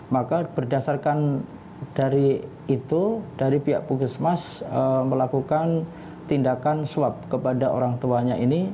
maka berdasarkan dari itu dari pihak puskesmas melakukan tindakan swab kepada orang tuanya ini